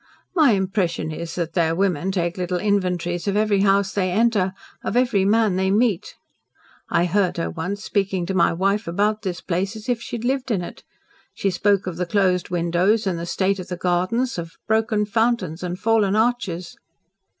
My impression is that their women take little inventories of every house they enter, of every man they meet. I heard her once speaking to my wife about this place, as if she had lived in it. She spoke of the closed windows and the state of the gardens of broken fountains and fallen arches.